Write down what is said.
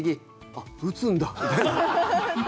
あっ、打つんだみたいな。